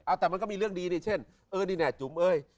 เอาแต่มันก็มีเรื่องดีนี่เช่นเออนี่แน่จุ๋มเอ้ย